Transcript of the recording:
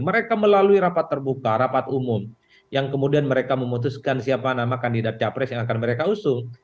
mereka melalui rapat terbuka rapat umum yang kemudian mereka memutuskan siapa nama kandidat capres yang akan mereka usung